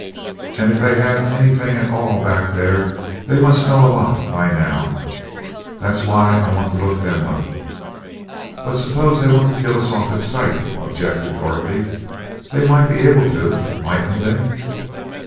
And if they had anything at all back there, they must know a lot by now. That's why I want to look 'em up." "But suppose they want to kill us off at sight?" objected Dorothy. "They might be able to do it, mightn't they?"